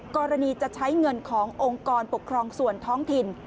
กรณีจะใช้เงินขององค์กรปกครองส่วนท้องถิ่น